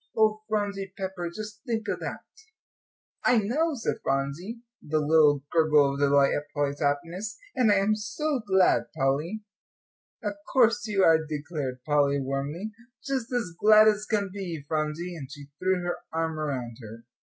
Oh, Phronsie Pepper, just think of that." "I know," said Phronsie, with a little gurgle of delight at Polly's happiness, "and I am so glad, Polly." "Of course you are," declared Polly, warmly, "just as glad as can be, Phronsie," and she threw her arm around her.